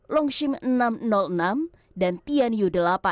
longshim enam ratus enam dan tianyu delapan